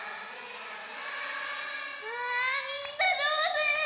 うわみんなじょうず！